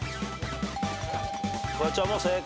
フワちゃんも正解。